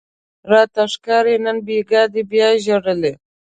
راته ښکاري نن بیګاه دې بیا ژړلي